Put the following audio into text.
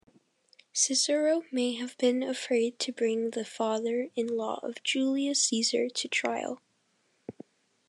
Cicero may have been afraid to bring the father-in-law of Julius Caesar to trial.